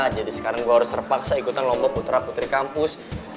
sekarang gue harus terpaksa ikutan lomba putra putri kampus